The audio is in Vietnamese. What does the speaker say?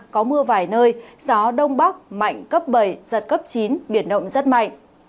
có mưa vài nơi gió đông bắc mạnh cấp bảy giật cấp chín biển động rất mạnh